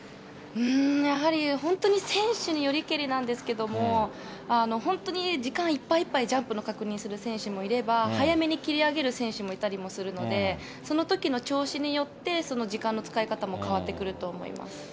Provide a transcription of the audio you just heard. やはり、本当に選手によりけりなんですけれども、本当に時間いっぱいいっぱい、ジャンプの確認する選手もいれば、早めに切り上げる選手もいたりもするので、そのときの調子によって、時間の使い方も変わってくると思います。